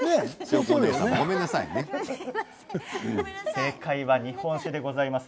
正解は日本酒でございます。